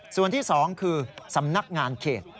ส่วนที่๒คือสำนักงานเขต